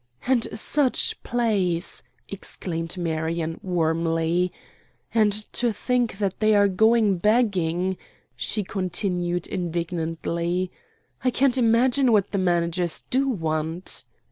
"And such plays!" exclaimed Marion, warmly; "and to think that they are going begging." She continued indignantly, "I can't imagine what the managers do want."